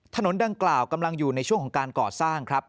ถนนดังกล่าวกำลังอยู่ในช่วงของการก่อสร้างครับ